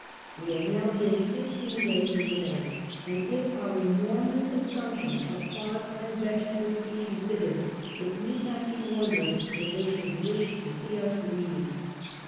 We liad now been sixteen days in the hay, and if our enormous con sumption of hogs and vegetables he consideivd, it need not he wondered that they should wish to see us leave.